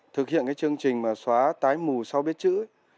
thực hiện cái chương trình mà xóa tái mù sau biết chữ